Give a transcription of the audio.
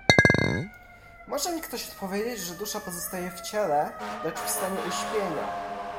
"Może mi ktoś odpowiedzieć, że dusza pozostaje w ciele, lecz w stanie uśpienia."